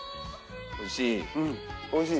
おいしい。